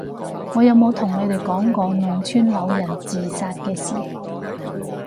我有冇同你哋講過農村老人自殺嘅事？